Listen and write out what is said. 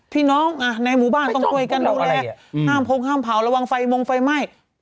พี่น้องในหมู่บ้านต้องช่วยกันดูแลห้ามพงห้ามเผาระวังไฟมงไฟไหม้